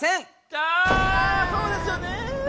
あそうですよね！